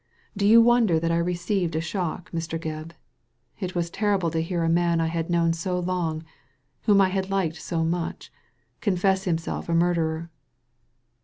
Do you wonder that I received a shock, Mr, Gebb ? It was terrible to hear a man I had known so long, whom I had liked so much, confess himself a murderer."